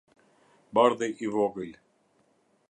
Bardhi i Vogël